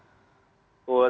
saya tidak tahu